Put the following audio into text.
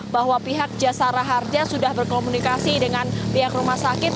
bahwa pihak jasara harja sudah berkomunikasi dengan pihak rumah sakit